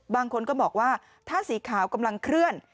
บางคนก็บอกว่าถ้าสีขาวกำลังเคลื่อน